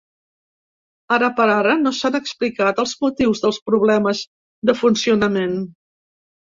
Ara per ara, no s’han explicat els motius dels problemes de funcionament.